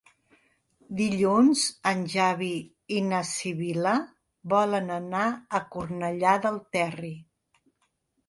Dilluns en Xavi i na Sibil·la volen anar a Cornellà del Terri.